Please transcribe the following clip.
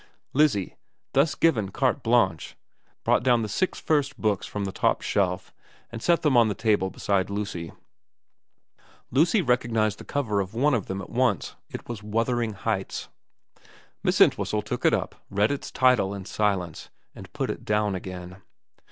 Lizzie, thus given carte blanche, brought down the six first books from the top shelf, and set them on the table beside Lucy. Lucy recognised the cover of one of them at once, it was Wuthering Heights. Miss Entwhistle took it up, read its title in silence, and put it down again.